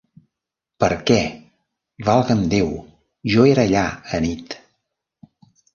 Per què, valga'm Déu, jo era allà anit!